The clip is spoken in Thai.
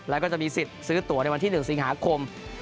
แล้วก็จะมีสิทธิ์ซื้อตัวในวันที่๑สิงหาคม